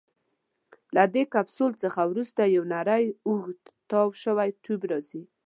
له دې کپسول څخه وروسته یو نیری اوږد تاو شوی ټیوب راځي.